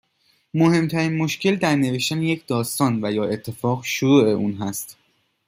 مهم ترین مشکل در نوشتن یک داستان و یا اتفاق ، شروع اون هست.